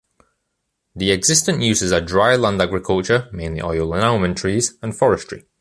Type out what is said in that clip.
The existent uses are dry land agriculture, mainly olive and almond trees, and forestry.